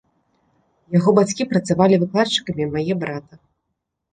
Яго бацькі працавалі выкладчыкамі, мае брата.